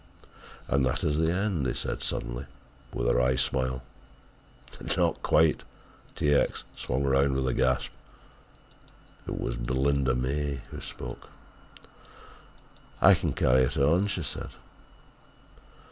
"And that is the end!" he said suddenly, with a wry smile. "Not quite!" T. X. swung round with a gasp. It was Belinda Mary who spoke. "I can carry it on," she said.